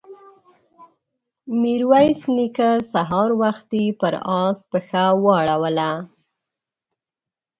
ميرويس نيکه سهار وختي پر آس پښه واړوله.